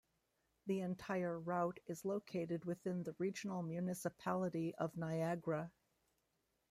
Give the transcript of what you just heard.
The entire route is located within the Regional Municipality of Niagara.